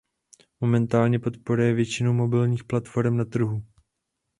Momentálně podporuje většinu mobilních platforem na trhu.